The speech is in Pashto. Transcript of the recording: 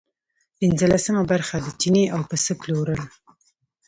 پنځلسمه برخه د چیني او پسه پلورل.